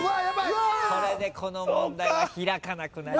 これでこの問題は開かなくなります。